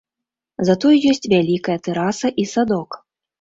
Затое ёсць вялікая тэраса і садок.